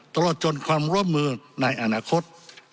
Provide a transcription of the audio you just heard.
ตลอดจนความร่วมมือในอนาคต